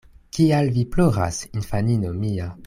Kial vi ploras, infanino mia?